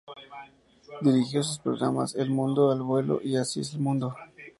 Dirigió sus programas "El mundo al vuelo" y "Así es el mundo".